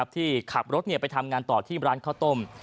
ที่ขับรถไปทำงานต่อที่ร้านข้าวต้ม